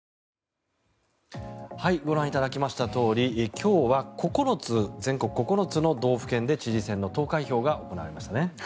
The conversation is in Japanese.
ご覧いただきましたとおり今日は全国９つの道府県で知事選の投開票が行われました。